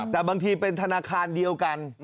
แต่บางทีเป็นธนาคารเดียวกัน